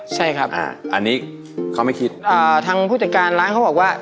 ใช่ครับอ่าอันนี้เขาไม่คิดอ่าทางผู้จัดการร้านเขาบอกว่า